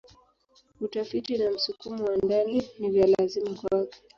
Utafiti na msukumo wa ndani ni vya lazima kwake.